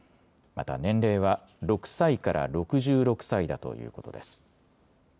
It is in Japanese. また年齢は６歳から６６歳だということです。